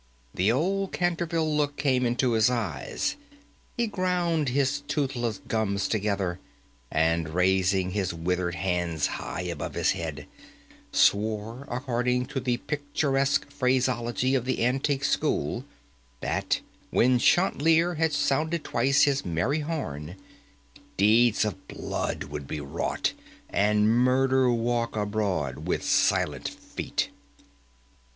The old Canterville look came into his eyes; he ground his toothless gums together; and, raising his withered hands high above his head, swore according to the picturesque phraseology of the antique school, that, when Chanticleer had sounded twice his merry horn, deeds of blood would be wrought, and murder walk abroad with silent feet.